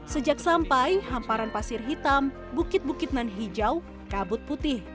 sejak sampai hamparan pasir hitam bukit bukit nan hijau kabut putih